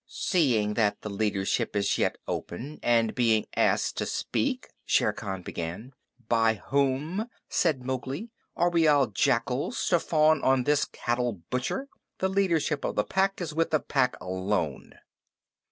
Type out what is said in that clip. "Seeing that the leadership is yet open, and being asked to speak " Shere Khan began. "By whom?" said Mowgli. "Are we all jackals, to fawn on this cattle butcher? The leadership of the Pack is with the Pack alone."